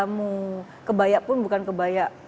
kamu kebaya pun bukan kebaya